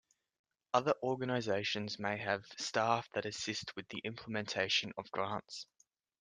Other organizations may have staff that assist with the implementation of grants.